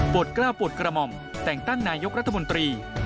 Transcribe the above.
กล้าวโปรดกระหม่อมแต่งตั้งนายกรัฐมนตรี